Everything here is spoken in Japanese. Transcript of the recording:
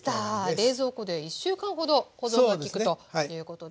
冷蔵庫で１週間ほど保存がきくということですね。